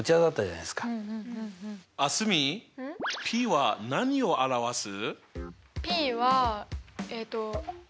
ｐは何を表す？